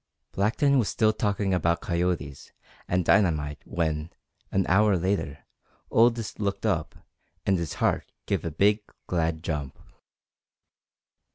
Blackton was still talking about "coyotes" and dynamite when, an hour later, Aldous looked up, and his heart gave a big, glad jump.